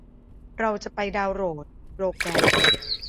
เราจะไปดาวน์โหลดโปรแกรม